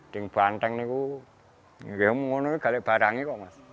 di banteng ini ini hanya barangnya